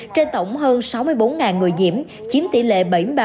trên tổng hơn sáu mươi bốn người nhiễm chiếm tỷ lệ bảy mươi ba